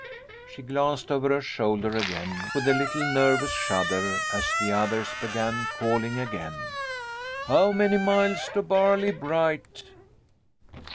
She glanced over her shoulder again with a little nervous shudder as the others began calling again : "How many miles to Bar ley bright?"